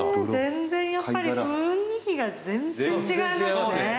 全然やっぱり雰囲気が全然違いますね。